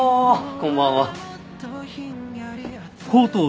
こんばんは。